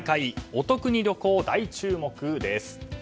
お得に旅行大注目です。